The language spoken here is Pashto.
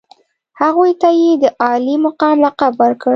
هغوی ته یې د عالي مقام لقب ورکړ.